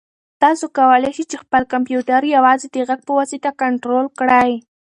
تاسو کولای شئ چې خپل کمپیوټر یوازې د غږ په واسطه کنټرول کړئ.